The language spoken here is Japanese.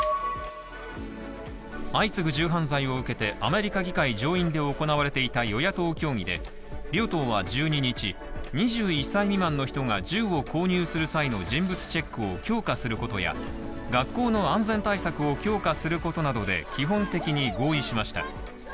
相次ぐ銃犯罪を受けて、アメリカ議会上院で行われていた与野党協議で両党は１２日、２１歳未満の人が銃を購入する際の人物チェックを強化することや学校の安全対策を強化することなどで基本的に合意しました。